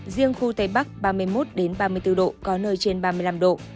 riêng khu tây bắc ba mươi một ba mươi bốn độ có nơi trên ba mươi năm độ